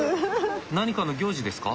何かの行事ですか？